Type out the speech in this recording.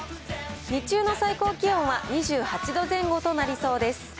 日中の最高気温は２８度前後となりそうです。